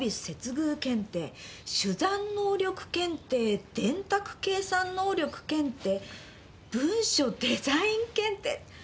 ・珠算能力検定・電卓計算能力検定・文書デザイン検定